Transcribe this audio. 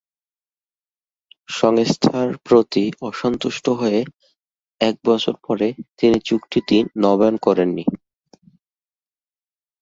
সংস্থার প্রতি অসন্তুষ্ট হয়ে এক বছর পরে তিনি চুক্তিটি নবায়ন করেন নি।